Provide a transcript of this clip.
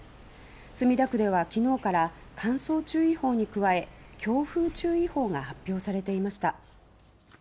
墨田区では昨日から乾燥注意報に加え強風注意報が発表されていました。